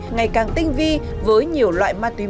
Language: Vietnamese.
ngày càng tinh vi với nhiều loại ma túy